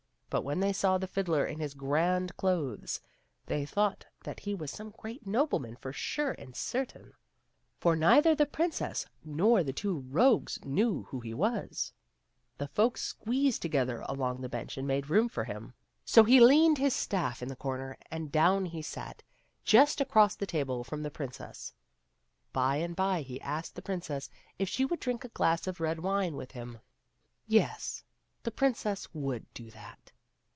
But when they saw the fiddler in his grand clothes, they thought that he was some great nobleman for sure and certain, for neither the princess nor the two rogues knew who he was. The folks squeezed together along the bench and made room for him ; so he leaned 266 THE STAFF AND THE FIDDLE. his staff in the comer and down he sat, just across the table from the princess. By and by he asked the princess if she would drink a glass of red wine with him. Yes, the princess would do that.